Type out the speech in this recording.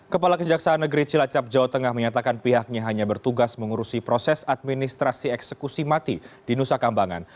kepala kejaksaan negeri cilacap jawa tengah menyatakan pihaknya hanya bertugas mengurusi proses administrasi eksekusi mati di nusa kambangan